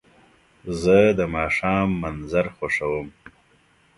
زه د ماښام منظر خوښوم.